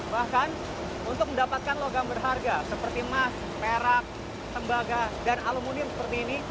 bahkan untuk mendapatkan logam berharga seperti emas perak tembaga dan aluminium seperti ini